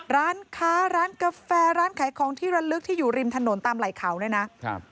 ร้านค้าร้านกาแฟร้านขายของที่ระลึกที่อยู่ริมถนนตามไหล่เขาเนี่ยนะครับ